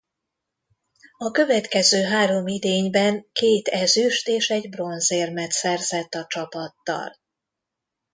A következő három idényben két ezüst- és egy bronzérmet szerzett a csapattal.